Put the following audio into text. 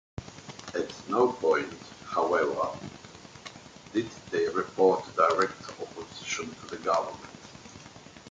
At no point, however, did they report direct opposition to the government.